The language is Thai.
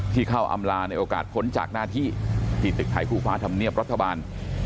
ที่เข้าอำลาในโอกาสพ้นจากหน้าที่ที่ตึกไทยคู่ฟ้าธรรมเนียบรัฐบาล